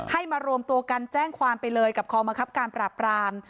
ให้มารวมตัวกันแจ้งความไปเลยกับคอมังคับการปราบราม